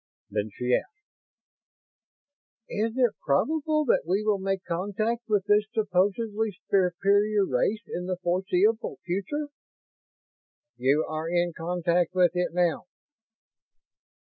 Then she asked: "Is it probable that we will make contact with this supposedly superior race in the foreseeable future?" "You are in contact with it now."